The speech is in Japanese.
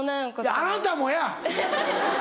あなたもや！